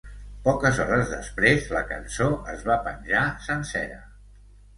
Poques hores després, la cançó es va penjar sencera.